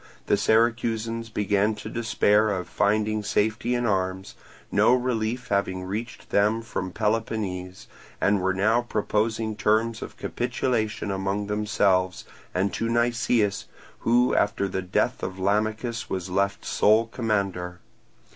The Syracusans began to despair of finding safety in arms, no relief having reached them from Peloponnese, and were now proposing terms of capitulation among themselves and to Nicias, who after the death of Lamachus was left sole commander.